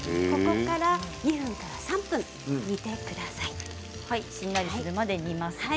ここから２分から３分しんなりするまで煮ます。